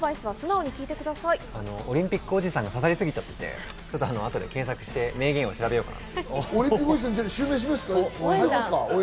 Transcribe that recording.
オリンピックおじさんが刺さりすぎちゃって、あとで検索して名言を調べようかなと。